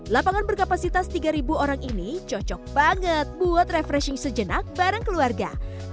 lapangan berkapasitas tiga orang ini cocok banget buat refreshing sejenak bareng keluarga